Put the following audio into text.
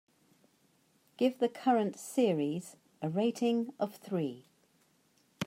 Give the current series a rating of three.